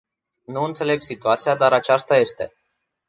Nu înțeleg situația, dar aceasta este.